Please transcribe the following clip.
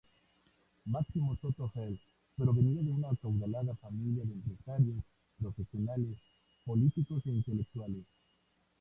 Máximo Soto Hall provenía de una acaudalada familia de empresarios, profesionales, políticos e intelectuales.